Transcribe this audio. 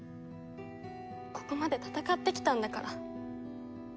ここまで戦ってきたんだから。